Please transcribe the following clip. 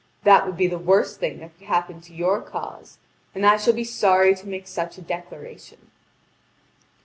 That would be the worst thing that could happen to your cause, and I shall be sorry to make such a declaration."